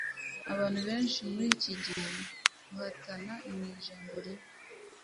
Kubantu benshi muri iki gihe, "guhatana" ni ijambo ribi.